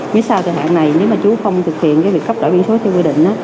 nếu sao thời hạn này nếu mà chú không thực hiện việc cấp đổi biển số theo quy định